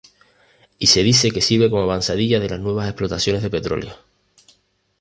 Y se dice que sirve como avanzadilla de las nuevas explotaciones de petróleo.